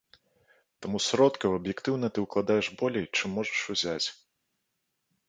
Таму сродкаў аб'ектыўна ты ўкладаеш болей, чым можаш узяць.